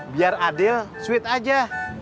biar adil sweet aja